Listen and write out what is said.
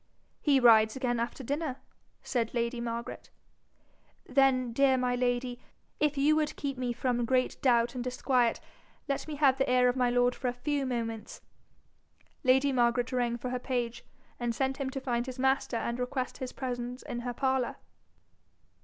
'He rides again after dinner,' said lady Margaret. 'Then, dear my lady, if you would keep me from great doubt and disquiet, let me have the ear of my lord for a few moments.' Lady Margaret rang for her page, and sent him to find his master and request his presence in her parlour.